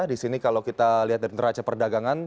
di sini kalau kita lihat dari neraca perdagangan